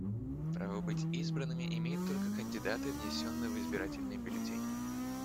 Право быть избранными имеют только кандидаты, внесенные в избирательные бюллетени.